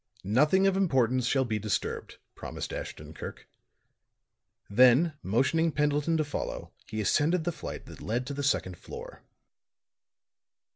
"Nothing of importance shall be disturbed," promised Ashton Kirk. Then motioning Pendleton to follow, he ascended the flight that led to the second floor.